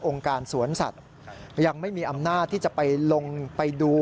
การสวนสัตว์ยังไม่มีอำนาจที่จะไปลงไปดู